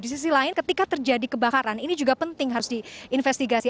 di sisi lain ketika terjadi kebakaran ini juga penting harus diinvestigasi